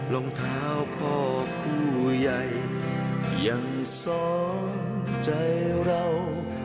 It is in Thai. รองเท้าพ่อครูใหญ่ยังซ้อนใจเรา